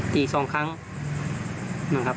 ตี๒ครั้งนะครับ